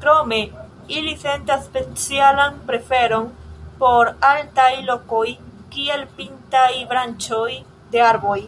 Krome ili sentas specialan preferon por altaj lokoj, kiel pintaj branĉoj de arboj.